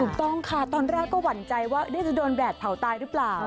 ถูกต้องค่ะตอนแรกก็หวั่นใจว่าจะโดนแดดเผาตายหรือเปล่า